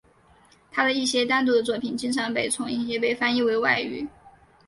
他的一些单独的作品经常被重印也被翻译为外语。